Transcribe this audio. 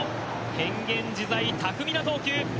変幻自在、巧みな投球。